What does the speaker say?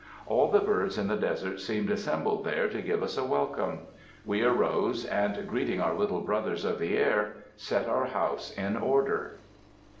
All the birds in the desert seemed assembled there to give us a welcome. We arose and, greeting our little brothers of the air, set our house in order.